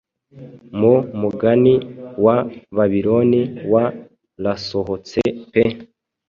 mu mugani wa Babiloni wa rasohotse pe